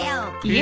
え？